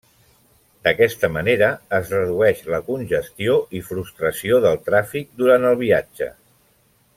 D'aquesta manera, es redueix la congestió i frustració del tràfic durant el viatge.